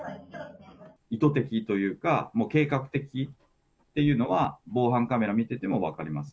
意図的というか、もう計画的っていうのは、防犯カメラ見てても分かります。